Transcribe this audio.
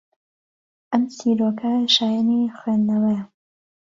ئەم چیرۆکە شایەنی خوێندنەوەیە